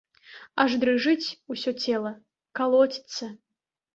Аж дрыжыць усё цела, калоціцца.